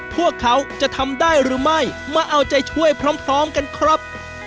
พวกเขาจะทำได้หรือไม่มาเอาใจช่วยพร้อมกันครับ